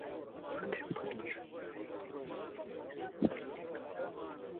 Благодарю посла Швейцарии за его заявление и за его поддержку.